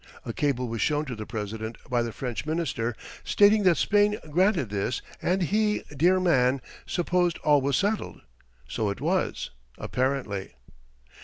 A cable was shown to the President by the French Minister stating that Spain granted this and he, dear man, supposed all was settled. So it was, apparently.